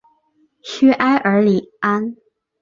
屈埃尔里安。